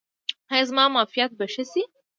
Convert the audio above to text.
ایا زما معافیت به ښه شي؟